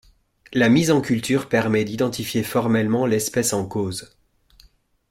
La mise en culture permet d'identifier formellement l'espèce en cause.